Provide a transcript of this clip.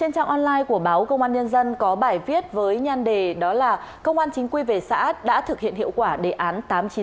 công an nhân dân có bài viết với nhan đề đó là công an chính quy về xã đã thực hiện hiệu quả đề án tám trăm chín mươi sáu